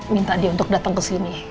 minta dia untuk datang kesini